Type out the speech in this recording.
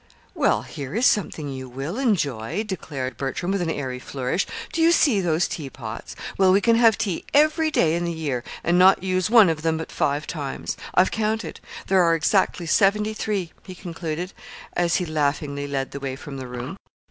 "Well, here is something you will enjoy," declared Bertram, with an airy flourish. "Do you see those teapots? Well, we can have tea every day in the year, and not use one of them but five times. I've counted. There are exactly seventy three," he concluded, as he laughingly led the way from the room.